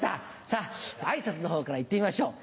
さぁ挨拶のほうから行ってみましょう。